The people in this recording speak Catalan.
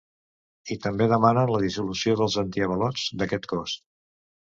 I també demanen la dissolució dels antiavalots d’aquest cos.